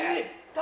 誰？